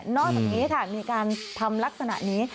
อกจากนี้ค่ะมีการทำลักษณะนี้